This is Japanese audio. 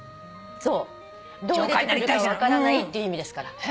どう出てくるか分からないっていう意味ですから。